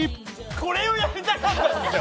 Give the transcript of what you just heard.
これをやりたかったんですよ！